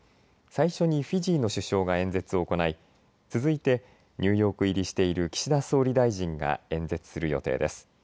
最初にフィジーの首相が演説を行い続いて、ニューヨーク入りしている岸田総理大臣が演説する予定です。